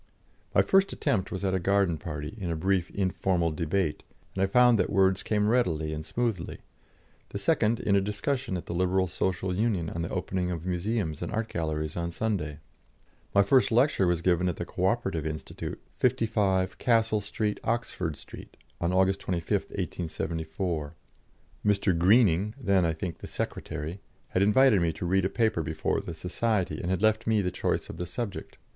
My first attempt was at a garden party, in a brief informal debate, and I found that words came readily and smoothly: the second in a discussion at the Liberal Social Union on the opening of museums and art galleries on Sunday. My first lecture was given at the Co operative Institute, 55, Castle Street, Oxford Street, on August 25, 1874. Mr. Greening then, I think, the secretary had invited me to read a paper before the society, and had left me the choice of the subject.